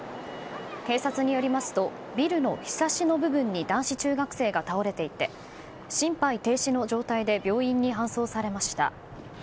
警察によりますとビルのひさしの部分に男子中学生が倒れていて心肺停止の状態で病院に搬送されました。